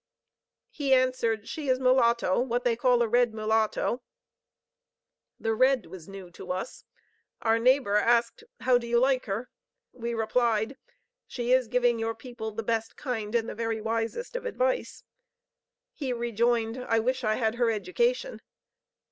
He answered, "She is mulatto; what they call a red mulatto." The 'red' was new to us. Our neighbor asked, "How do you like her?" We replied, "She is giving your people the best kind and the very wisest of advice." He rejoined, "I wish I had her education."